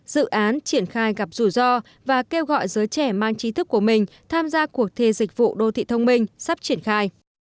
dự án triển khai gặp rủi ro và kêu gọi giới trẻ mang trí thức của mình tham gia cuộc thi dịch vụ đô thị thông minh sắp triển khai